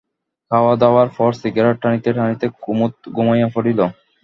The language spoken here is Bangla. খাওয়াদাওয়ার পর সিগারেট টানিতে টানিতে কুমুদ ঘুমাইয়া পড়িল।